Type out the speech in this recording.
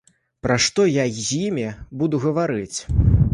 Пра што я з імі буду гаварыць?